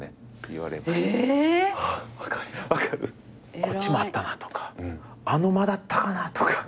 こっちもあったなとかあの間だったかなとか。